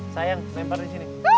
sayang lempar disini